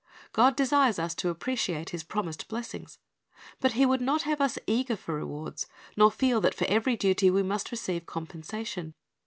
God desires us to appreciate His promised bless ings. But He would not have us eager for re wards, nor feel that for every duty we must receive com pensation.